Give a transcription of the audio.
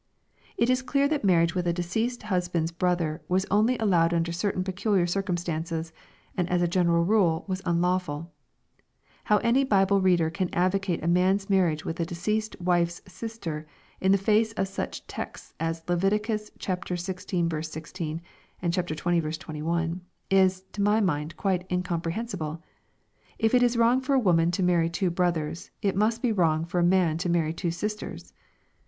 It is clear that marriage with a deceased husband's brother was only allowed under certain pecu liar circumstances, and as a general rule was unlawful How any Bible reader can advocate a man's marriage with a deceased wife's sister, in the face of such texts as Leviticus xviii 16, and xx. 21, is, to my mind, quite incomprehensible. If it is wrong for a woman to marry two brothers, it must be wrong for a man to marry two sisters.